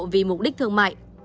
vì mục đích thương mại